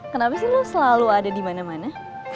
kenapa sih lo selalu ada dimana mana